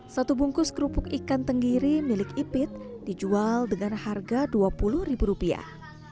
satu bungkus kerupuk ikan tenggiri milik ipit dijual dengan harga dua puluh ribu rupiah